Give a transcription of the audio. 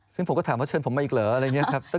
ซึ่งผมก็ถามว่าเชิญผมมาอีกเหรออะไรอย่างนี้ครับ